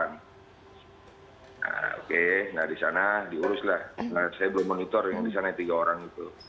nah oke di sana diuruslah saya belum monitor yang di sana tiga orang itu